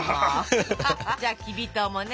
じゃあきび糖もね。